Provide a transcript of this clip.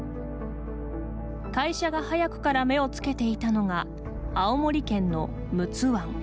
会社が早くから目をつけていたのが青森県の陸奥湾。